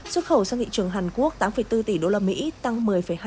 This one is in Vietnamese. xuất khẩu sang thị trường hàn quốc tám bốn tỷ đô la mỹ tăng một mươi hai